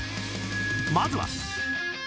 まずは